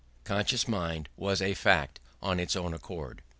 _Conscious mind was a fact on its own account.